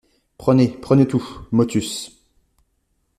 Prenez, prenez tout ! MOTUS.